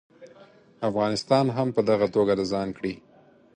افغانستان هم په دغه توګه د ځان کړي.